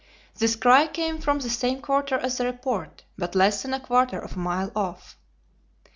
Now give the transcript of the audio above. This cry came from the same quarter as the report, but less than a quarter of a mile off.